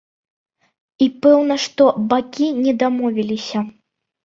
І пэўна, што бакі не дамовіліся.